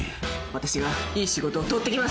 私がいい仕事を取ってきます。